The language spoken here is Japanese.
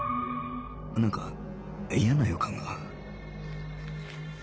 なんか嫌な予感が